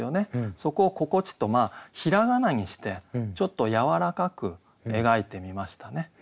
そこを「ここち」と平仮名にしてちょっとやわらかく描いてみましたね。